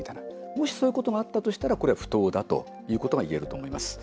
もし、そういうことがあったとしたらこれは不当だということがいえると思います。